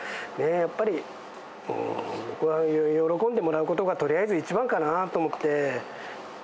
やっぱり、僕は喜んでもらうことがとりあえず一番かなと思って。